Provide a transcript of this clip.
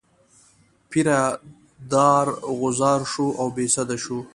پیره دار غوځار شو او بې سده شو.